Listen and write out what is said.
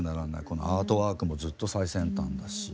このアートワークもずっと最先端だし。